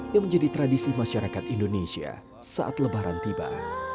yang menjadi tradisi masyarakat indonesia saat lebaran tiba